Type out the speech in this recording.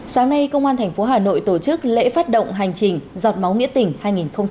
sáng nay công an tp hà nội tổ chức lễ phát động hành trình giọt máu nghĩa tỉnh hai nghìn hai mươi